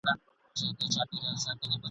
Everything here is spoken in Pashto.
بلکه خپل وړوکی ځان یې سمندر سو !.